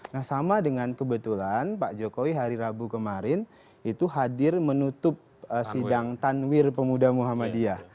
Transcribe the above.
nah sama dengan kebetulan pak jokowi hari rabu kemarin itu hadir menutup sidang tanwir pemuda muhammadiyah